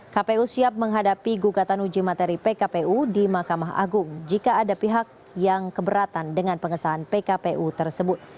kpu siap menghadapi gugatan uji materi pkpu di mahkamah agung jika ada pihak yang keberatan dengan pengesahan pkpu tersebut